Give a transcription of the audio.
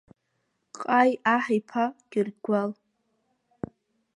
Ҟаи, аҳ иԥа Гьыргәал!